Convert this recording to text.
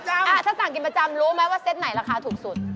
ผมสั่งกินประจำอ่ะถ้าสั่งกินประจำรู้ไหมว่าเซ็ตไหนราคาถูกสุด